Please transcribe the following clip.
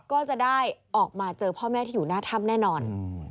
ก็จะได้ออกมาเจอพ่อแม่ที่อยู่หน้าถ้ำแน่นอน